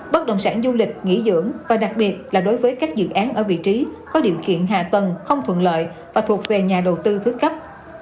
bất động sản du lịch nghỉ dưỡng và đặc biệt là đối với các dự án ở vị trí có điều kiện hạ tầng không thuận lợi và thuộc về nhà đầu tư thứ cấp